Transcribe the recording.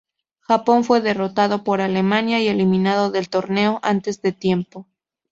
Japón fue derrotado por Alemania y eliminado del torneo antes de tiempo.